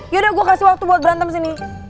yaudah gue kasih waktu buat berantem sini